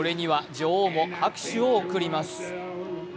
これには女王も拍手を送ります。